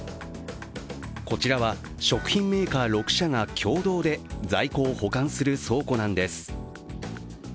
こちらは、食品メーカー６社が共同で在庫を保管する倉庫なんです。